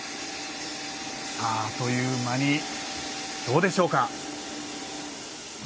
あっという間にどうでしょうか。